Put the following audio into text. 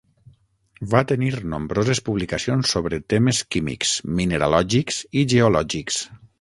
Va tenir nombroses publicacions sobre temes químics, mineralògics i geològics.